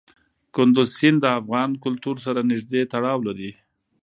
کندز سیند د افغان کلتور سره نږدې تړاو لري.